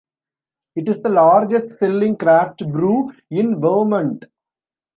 It is the largest selling craft-brew in Vermont.